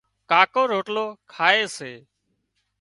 ڪاڪو روٽلو کائي سي